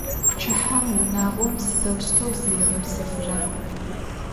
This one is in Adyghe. Pçıhem vunağom sıdeuşteu ziğepsefıra?